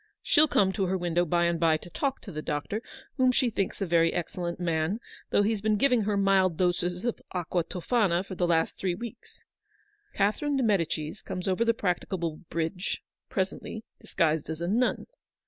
She'll come to her window by and bye to talk to the doctor, whom she thinks a very excellent man ; though he's been giving her mild doses of aqua tofana for the last three weeks. Catherine de Medicis comes over the practicable bridge, presently, disguised as a nun.